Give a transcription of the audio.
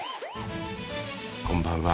こんばんは。